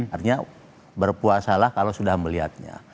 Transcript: artinya berpuasalah kalau sudah melihatnya